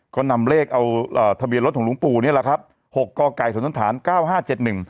ก็นำเลขเอาเอ่อทะเบียนรถของหลวงปู่นี่แหละครับหกกศนฐานเก้าห้าเจ็ดหนึ่ง